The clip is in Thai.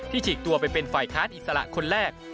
ฉีกตัวไปเป็นฝ่ายค้านอิสระคนแรก